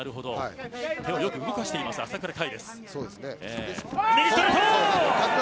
手をよく動かしています朝倉海。